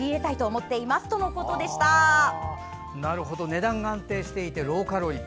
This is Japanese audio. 値段が安定してローカロリー。